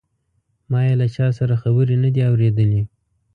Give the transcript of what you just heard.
ما یې له چا سره خبرې نه دي اوریدلې.